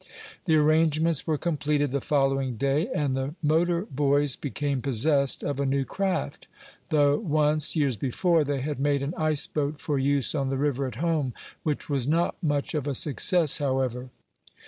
The arrangements were completed the following day, and the motor boys became possessed of a new craft. Though once, years before, they had made an ice boat for use on the river at home, which was not much of a success, however.